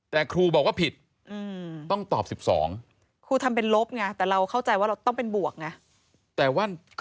แต่ครูบอกว่าผิดต้องตอบ๑๒ครูทำเป็นลบไงแต่เราเข้าใจว่าเราต้องเป็นบวกไง